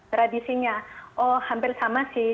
tradisinya oh hampir sama sih